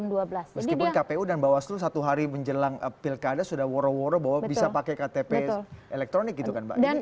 meskipun kpu dan bawaslu satu hari menjelang pilkada sudah woro woro bahwa bisa pakai ktp elektronik gitu kan mbak